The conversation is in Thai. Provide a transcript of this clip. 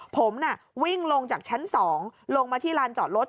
ผมวิ่งลงจากชั้น๒ลงมาที่ลานจอดรถ